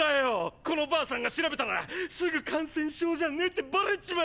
このバーサンが調べたらすぐ感染症じゃねぇってバレちまうぞ！